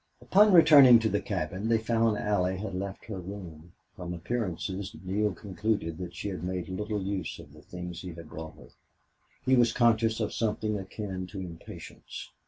Upon returning to the cabin they found Allie had left her room. From appearances Neale concluded that she had made little use of the things he had brought her. He was conscious of something akin to impatience.